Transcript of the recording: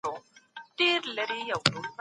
سياست په هره ټولنه کې بېل رنګ لري.